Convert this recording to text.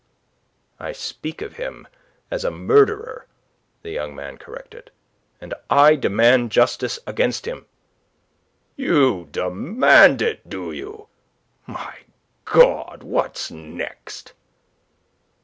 "I speak of him as a murderer," the young man corrected. "And I demand justice against him." "You demand it, do you? My God, what next?"